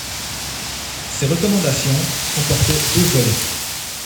Ces recommandations comportaient deux volets.